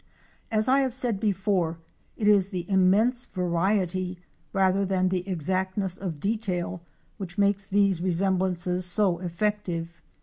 As J have said before, it is the immense variety rather than the exactness of detail which makes these resemblances so effective.